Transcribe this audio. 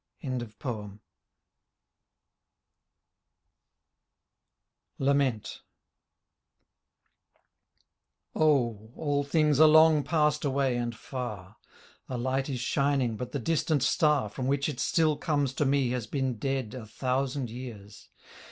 ... 36 LAMENT Oh ! All things are long passed away and far. A light is shining but the distant star From which it still comes to me has been dead A thousand years